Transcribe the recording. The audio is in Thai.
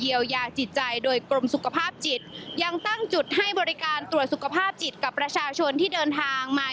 เยียวยาจิตใจโดยกรมสุขภาพจิตยังตั้งจุดให้บริการตรวจสุขภาพจิตกับประชาชนที่เดินทางมา